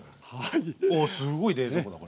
おっすごい冷蔵庫だね。